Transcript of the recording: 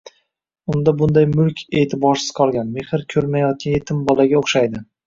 unda bunday mulk eʼtiborsiz qolgan, mehr ko‘rmayotgan yetim bolaga o‘xshaydi.